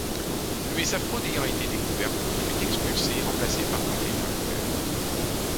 Mais, sa fraude ayant été découverte, il fut expulsé et remplacé par Cantemir lui-même.